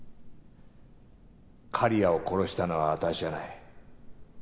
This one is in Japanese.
刈谷を殺したのは私じゃない。